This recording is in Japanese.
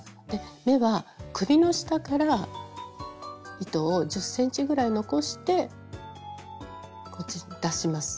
目は首の下から糸を１０ｃｍぐらい残してこっちに出します。